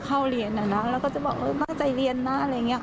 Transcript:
เขาก็เป็นเด็กดีไม่มีอะไร